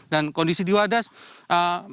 dan kondisi di wadas ini